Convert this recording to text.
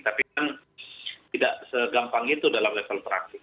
tapi kan tidak segampang itu dalam level praktik